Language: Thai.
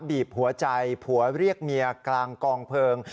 บีบหัวใจผัวเรียกเมียกลางกองเพลิง